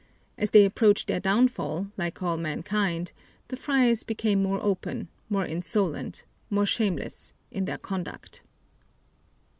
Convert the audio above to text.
As they approached their downfall, like all mankind, the friars became more open, more insolent, more shameless, in their conduct.